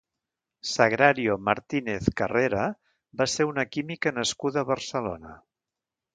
Sagrario Martínez Carrera va ser una química nascuda a Barcelona.